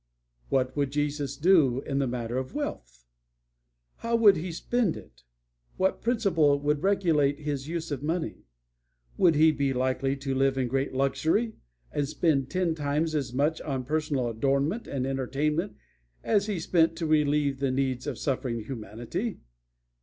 "What would Jesus do in the matter of wealth? How would He spend it? What principle would regulate His use of money? Would He be likely to live in great luxury and spend ten times as much on personal adornment and entertainment as He spent to relieve the needs of suffering humanity?